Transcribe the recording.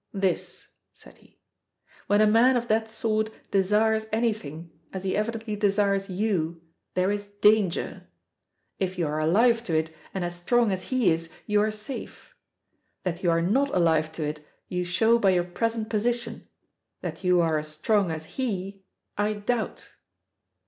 "This," said he. "When a man of that sort desires anything, as he evidently desires you, there is danger. If you are alive to it, and as strong as he is, you are safe. That you are not alive to it you show by your present position; that you are as strong as he, I doubt."